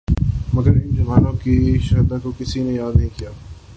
مگر ان جوانوں کی شہادت کو کسی نے یاد نہیں کیا